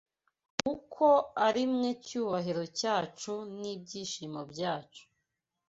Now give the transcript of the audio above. Kuko ari mwe cyubahiro cyacu n’ibyishimo byacu.